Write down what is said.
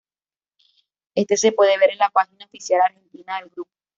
Este se puede ver en la página oficial argentina del grupo.